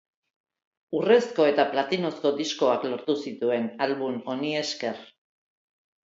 Urrezko eta platinozko diskoak lortu zituen album honi esker.